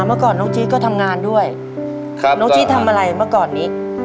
เมื่อก่อนน้องจี๊ดก็ทำงานด้วยครับน้องจี๊ดทำอะไรเมื่อก่อนนี้